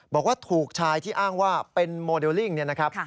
บอกว่าถูกชายที่อ้างว่าเป็นโมเดลลิ่งเนี่ยนะครับ